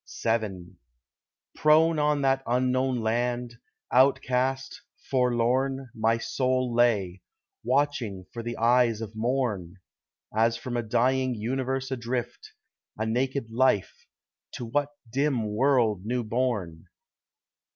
VII Prone on that unknown land, outcast, forlorn, My soul lay; watching for the eyes of morn; As from a dying universe adrift, A naked life—to what dim world new born?